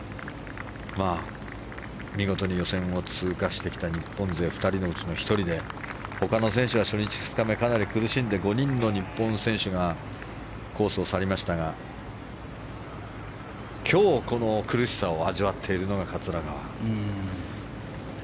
見事に予選を通過してきた日本勢２人のうちの１人で他の選手は初日、２日目かなり苦しんで５人の日本選手がコースを去りましたが今日、この苦しさを味わっているのが桂川。